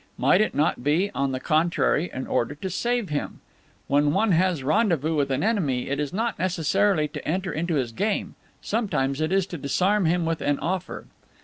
Might it not be, on the contrary, in order to save him? When one has rendezvous with an enemy it is not necessarily to enter into his game, sometimes it is to disarm him with an offer.